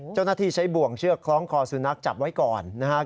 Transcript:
เจ้าหน้าที่ใช้บ่วงเชือกคล้องคอสุนัขจับไว้ก่อนนะครับ